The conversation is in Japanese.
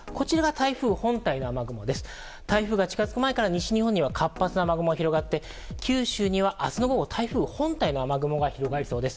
台風が近づく前から西日本には活発な雨雲が広がっていて九州には明日の午後台風本体の雨雲が広がりそうです。